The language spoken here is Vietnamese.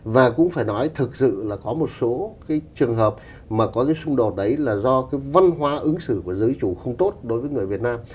và cũng phải nói thực sự là có một số cái trường hợp mà có cái xung đột đấy là do cái văn hóa ứng xử của giới chủ không tốt đối với người việt nam